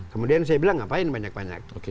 kemudian saya bilang ngapain banyak banyak